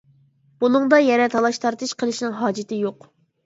بۇنىڭدا يەنە تالاش تارتىش قىلىشنىڭ ھاجىتى يوق.